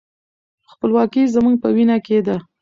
خپلواکي زموږ په وینه کې ده.